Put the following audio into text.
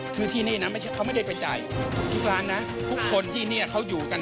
คือที่นี่นะเขาไม่ได้ไปจ่ายทุกร้านนะทุกคนที่เนี่ยเขาอยู่กัน